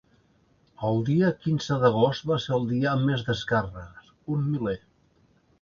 El dia quinze d’agost va ser el dia amb més descàrregues, un miler.